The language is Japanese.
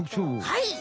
はい！